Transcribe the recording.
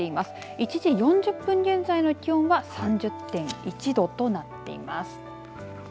１時４０分現在の気温は３０．１度となっています。